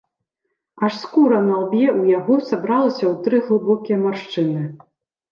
Аж скура на лбе ў яго сабралася ў тры глыбокія маршчыны.